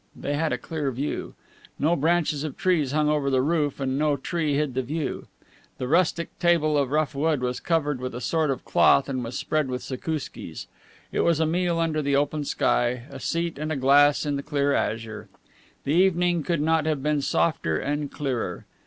They had a clear view. No branches of trees hung over the roof and no tree hid the view. The rustic table of rough wood was covered with a short cloth and was spread with zakouskis. It was a meal under the open sky, a seat and a glass in the clear azure. The evening could not have been softer and clearer.